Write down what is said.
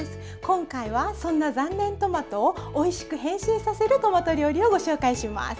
今回はそんな残念トマトをおいしく変身させるトマト料理をご紹介します。